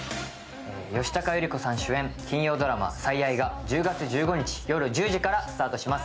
吉高由里子さん主演、金曜ドラマ「最愛」が１０月１５日夜１０時からスタートします。